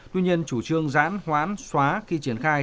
tuy nhiên chủ trương giãn hoãn xóa khi triển khai